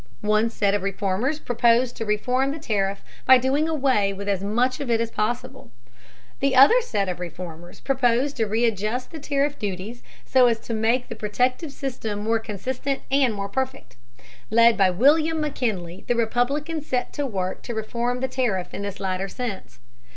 One set of reformers proposed to reform the tariff by doing away with as much of it as possible. The other set of reformers proposed to readjust the tariff duties so as to make the protective system more consistent and more perfect. Led by William McKinley, the Republicans set to work to reform the tariff in this latter sense.